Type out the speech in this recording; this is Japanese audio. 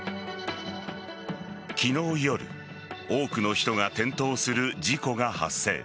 昨日夜多くの人が転倒する事故が発生。